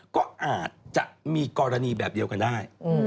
ก็อาจจะมีกรณีแบบเดียวกันได้